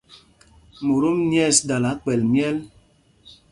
Motom nyɛ̂ɛs dala kpɛ̌l myɛl.